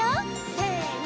せの！